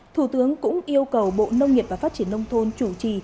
thủ tướng cũng yêu cầu bộ nông nghiệp và phát triển nông thôn chủ trì